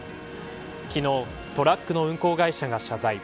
昨日トラックの運行会社が謝罪。